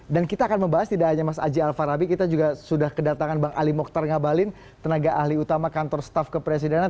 dan kita akan membahas tidak hanya mas aji alfarabi kita juga sudah kedatangan bang ali mokhtar ngabalin tenaga ahli utama kantor staff kepresidenan